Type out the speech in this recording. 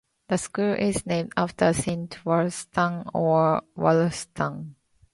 The school is named after Saint Wulfstan or Wulstan.